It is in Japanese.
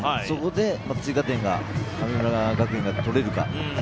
そこで追加点を神村学園が取れるか。